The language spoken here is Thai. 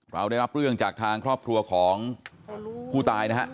เราได้รับเรื่องจากทางครอบครัวของผู้ตายนะฮะ